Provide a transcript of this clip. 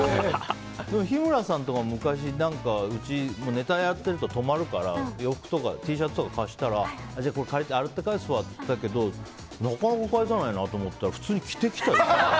日村さんとかも昔ネタやってるとうちに泊まるから洋服とかＴシャツとか貸したらこれ、洗って返すわって言ったけどなかなか返さないと思ってたら普通に着て来たり。